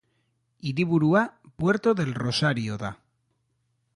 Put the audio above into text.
Hiriburua Puerto del Rosario da.